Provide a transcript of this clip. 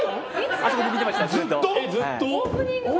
あそこで見てました、ずっと。